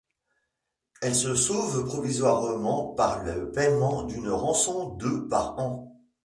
Elle se sauve provisoirement par le paiement d'une rançon de par an.